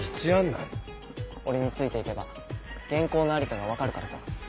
俺について行けば原稿の在りかが分かるからさ。